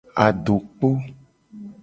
Adokpo.